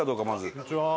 こんにちは。